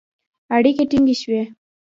اړیکې ټینګې شوې